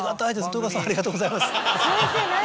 豊川さんありがとうございます。